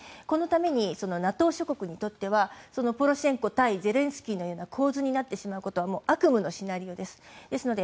このためにＮＡＴＯ諸国にとってはポロシェンコ対ゼレンスキーのような構図になってしまうことは悪夢のシナリオです。